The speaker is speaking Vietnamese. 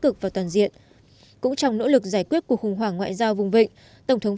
cực và toàn diện cũng trong nỗ lực giải quyết cuộc khủng hoảng ngoại giao vùng vịnh tổng thống